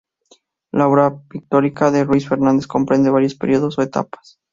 La obra pictórica de Ruiz Fernández comprende varios periodos o etapas.